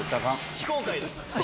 非公開です。